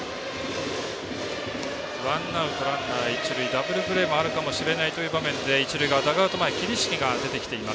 ダブルプレーもあるかもしれないという場面で一塁側、ダグアウト前桐敷が出てきています。